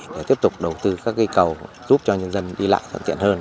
để tiếp tục đầu tư các cây cầu giúp cho nhân dân đi lại thuận tiện hơn